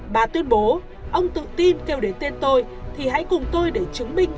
bà tuyên bố ông tự tin kêu đến tên tôi thì hãy cùng tôi để chứng minh